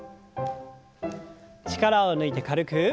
力を抜いて軽く。